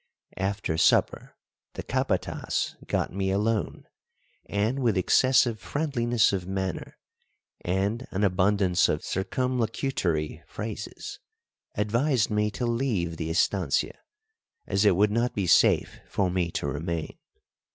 After supper the capatas got me alone, and with excessive friendliness of manner, and an abundance of circumlocutory phrases, advised me to leave the estancia, as it would not be safe for me to remain.